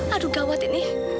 aduh gawat ini